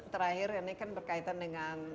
terakhir ini kan berkaitan dengan